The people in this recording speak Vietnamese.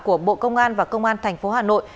của bộ công an và công an tp hà nội